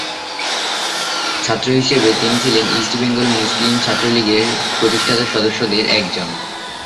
ছাত্র হিসেবে তিনি ছিলেন ইস্ট বেঙ্গল মুসলিম ছাত্র লীগের প্রতিষ্ঠাতা সদস্যদের একজন।